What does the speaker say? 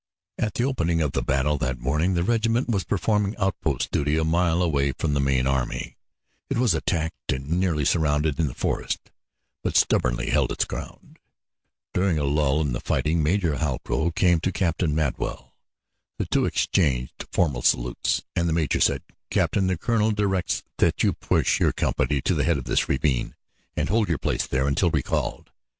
At the opening of the battle that morning the regiment was performing outpost duty a mile away from the main army. It was attacked and nearly surrounded in the forest, but stubbornly held its ground. During a lull in the fighting, Major Halcrow came to Captain Madwell. The two exchanged formal salutes, and the major said: "Captain, the colonel directs that you push your company to the head of this ravine and hold your place there until recalled.